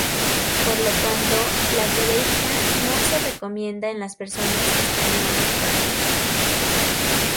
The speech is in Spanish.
Por lo tanto, la codeína no se recomienda en las personas que están amamantando.